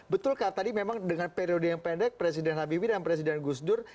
betulkah tadi memang dengan periode yang pendek presiden habibie dan presiden gus dur